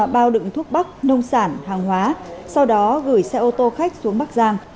bao đựng thuốc bắc nông sản hàng hóa sau đó gửi xe ô tô khách xuống bắc giang